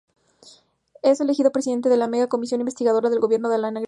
Es elegido Presidente de la Mega-Comisión investigadora del gobierno de Alan García.